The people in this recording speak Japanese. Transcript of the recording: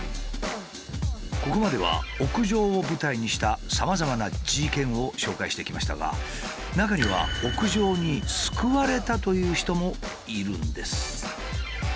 ここまでは屋上を舞台にしたさまざまな事件を紹介してきましたが中にはという人もいるんです。